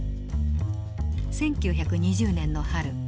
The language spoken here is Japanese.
１９２０年の春。